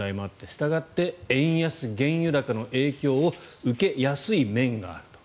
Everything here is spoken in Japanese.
したがって円安・原油高の影響を受けやすい面があると。